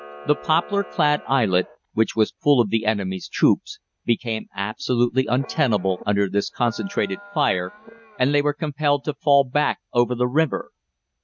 The poplar clad islet, which was full of the enemy's troops, became absolutely untenable under this concentrated fire, and they were compelled to fall back over the river.